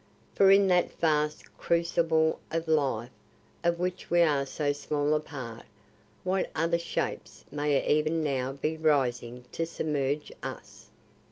For in that vast crucible of life of which we are so small a part, what other Shapes may even now be rising to submerge us?